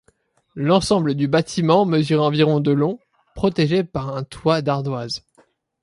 L'ensemble du bâtiment mesure environ de long, protégé par un toit d'ardoises.